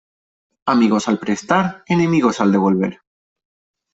Amigos al prestar, enemigos al devolver.